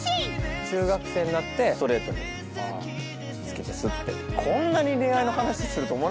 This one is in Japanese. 中学生になってストレートに好きですって。